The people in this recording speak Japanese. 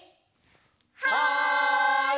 はい！